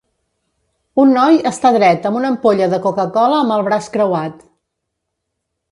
Un noi està dret amb una ampolla de Coca-Cola amb el braç creuat.